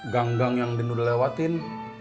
gang gang yang dendam lewatin